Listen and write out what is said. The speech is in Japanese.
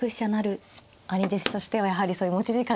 兄弟子としてはやはりそういう持ち時間の使い方とかも。